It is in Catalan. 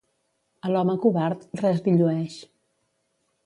A l'home covard, res li llueix.